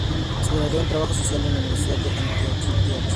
Se graduó en Trabajo social en la Universidad de Antioquia.